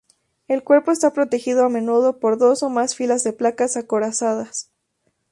El cuerpo está protegido a menudo por dos o más filas de placas acorazadas.